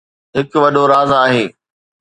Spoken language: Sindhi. هڪ وڏو راز آهي